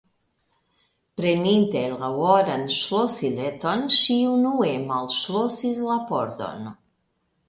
Preninte la oran ŝlosileton, ŝi unue malŝlosis la pordon.